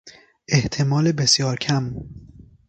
احتمال بسیار کم